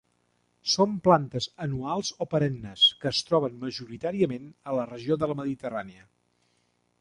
Són plantes anuals o perennes que es troben majoritàriament a la regió mediterrània.